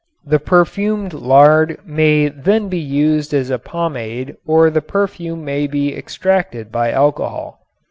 The perfumed lard may then be used as a pomade or the perfume may be extracted by alcohol.